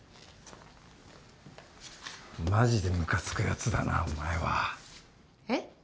マジでムカつくやつだなお前は。えっ？